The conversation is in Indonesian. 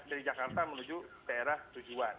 dari jakarta menuju daerah tujuan